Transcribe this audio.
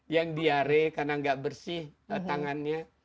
yang diare karena nggak bersih tangannya